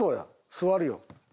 座るよ。